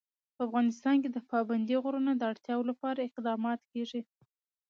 په افغانستان کې د پابندي غرونو د اړتیاوو لپاره اقدامات کېږي.